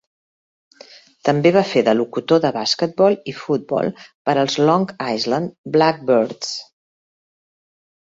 També va fer de locutor de basquetbol i futbol per als Long Island Blackbirds.